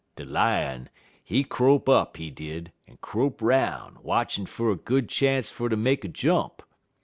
De Lion, he crope up, he did, en crope 'roun', watchin' fer good chance fer ter make a jump.